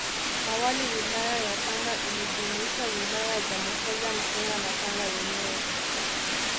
Awali Wilaya ya Tanga ilijumuisha Wilaya za Muheza Mkinga na Tanga yenyewe